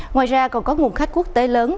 ngoài ra còn có nguồn khách quốc tế lớn